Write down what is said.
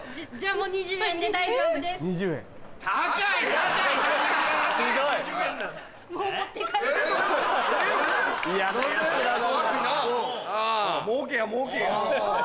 もうけやもうけや。